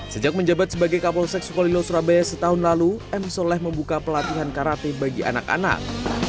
sejak menjabat sebagai kapolsek sukolilo surabaya setahun lalu m soleh membuka pelatihan karate bagi anak anak